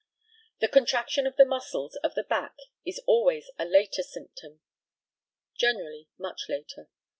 The contraction of the muscles of the back is always a later symptom generally much later.